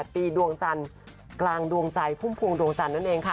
๒๘ตีดวงจันทร์กลางดวงใจภูมิภูมิภูมิดวงจันนั่นเองค่ะ